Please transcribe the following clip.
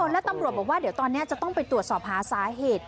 แล้วตำรวจบอกว่าเดี๋ยวตอนนี้จะต้องไปตรวจสอบหาสาเหตุ